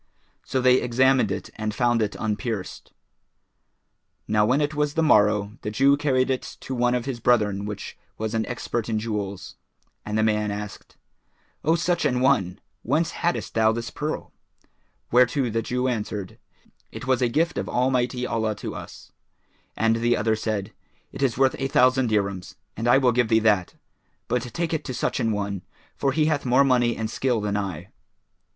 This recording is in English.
So they examined it and found it unpierced. Now when it was the morrow, the Jew carried it to one of his brethren which was an expert in jewels, and the man asked, "O such an one! whence haddest thou this pearl?"; whereto the Jew answered, "It was a gift of Almighty Allah to us," and the other said, "It is worth a thousand dirhams and I will give thee that; but take it to such an one, for he hath more money and skill than I."